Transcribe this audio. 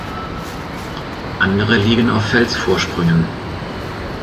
Andere liegen auf Felsvorsprüngen.